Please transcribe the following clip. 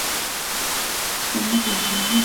Msemaji Shujaa Kanali Mak Hazukay aliliambia shirika